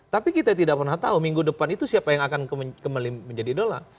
tapi kita tidak pernah tahu minggu depan itu siapa yang akan kembali menjadi idola